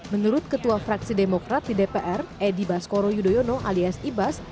menurut ketua fraksi demokrat di dpr edi baskoro yudhoyono alias ibas